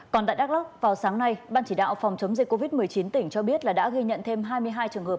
còn tại đắk lóc vào sáng nay ban chỉ đạo phòng chống dịch covid một mươi chín tỉnh cho biết là đã ghi nhận thêm hai mươi hai trường hợp